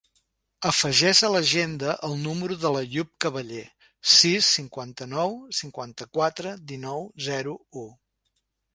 Afegeix a l'agenda el número de l'Àyoub Caballer: sis, cinquanta-nou, cinquanta-quatre, dinou, zero, u.